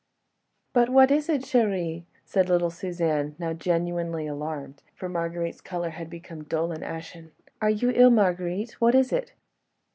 "But what is it, chérie?" said little Suzanne, now genuinely alarmed, for Marguerite's colour had become dull and ashen. "Are you ill, Marguerite? What is it?"